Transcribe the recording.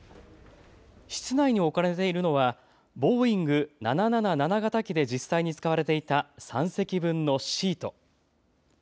室内に置かれているのはボーイング７７７型機で実際に使われていた３席分のシート。